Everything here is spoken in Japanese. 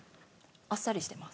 あっさりしています。